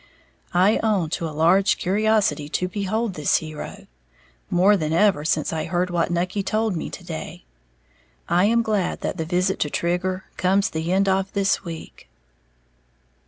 I own to a large curiosity to behold this hero more than ever since I heard what Nucky told me to day. I am glad that the visit to Trigger comes the end of this week.